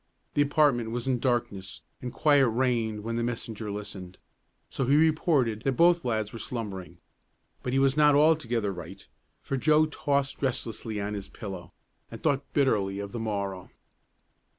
The apartment was in darkness and quiet reigned when the messenger listened, so he reported that both lads were slumbering. But he was not altogether right, for Joe tossed restlessly on his pillow and thought bitterly of the morrow.